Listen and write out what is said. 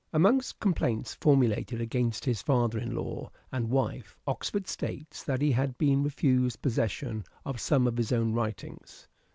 Amongst complaints formulated against his father in law and wife. Oxford states that he had been refused possession of some of his own writings.